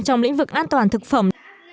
trong lĩnh vực an toàn thực phẩm